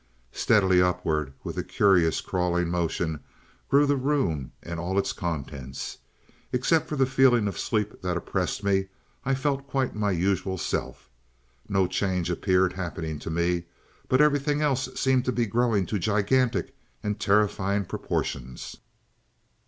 "Steadily upward, with a curious crawling motion, grew the room and all its contents. Except for the feeling of sleep that oppressed me, I felt quite my usual self. No change appeared happening to me, but everything else seemed growing to gigantic and terrifying proportions.